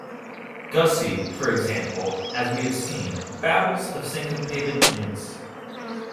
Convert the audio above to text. Gussie, for example, as we have seen, babbles of syncopated newts.